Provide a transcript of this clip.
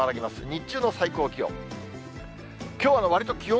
日中の最高気温。